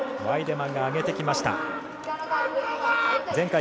ワイデマンは上がってきましたね。